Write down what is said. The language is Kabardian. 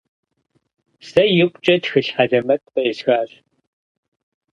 Сэ икъукӀэ тхылъ хьэлэмэт къеӀысхащ.